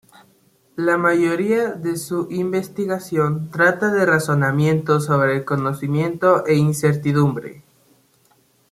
La mayoría de su investigación trata de razonamiento sobre conocimiento e incertidumbre.